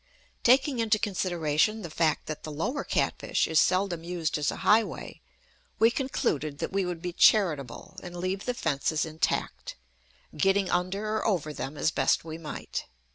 Taking into consideration the fact that the lower Catfish is seldom used as a highway, we concluded that we would be charitable and leave the fences intact, getting under or over them as best we might.